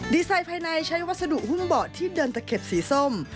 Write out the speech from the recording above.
ไซด์ภายในใช้วัสดุหุ้มเบาะที่เดินตะเข็บสีส้ม